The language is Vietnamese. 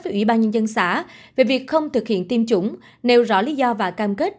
với ủy ban nhân dân xã về việc không thực hiện tiêm chủng nêu rõ lý do và cam kết